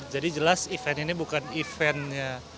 jadi jelas event ini bukan eventnya